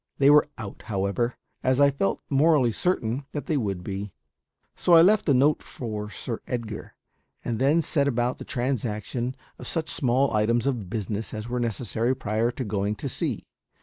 They were out, however, as I felt morally certain they would be; so I left a note for Sir Edgar, and then set about the transaction of such small items of business as were necessary prior to going to sea.